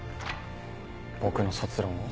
僕の卒論を？